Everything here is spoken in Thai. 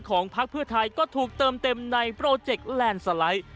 พักเพื่อไทยก็ถูกเติมเต็มในโปรเจคแลนด์สไลด์